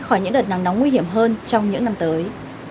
khỏi những đợt nắng nóng nguy hiểm hơn trong những năm tới